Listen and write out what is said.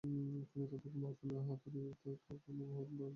খুনি তাদেরকে মারার জন্য, হাতুড়ি, হুক এবং বিশেষ করাত ব্যাবহার করে।